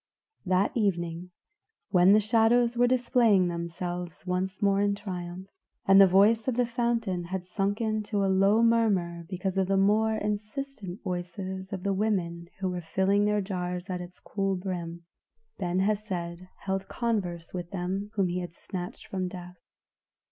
That evening when the shadows were displaying themselves once more in triumph, and the voice of the fountain had sunken to a low murmur because of the more insistent voices of the women who were filling their jars at its cool brim, Ben Hesed held converse with them whom he had snatched from death.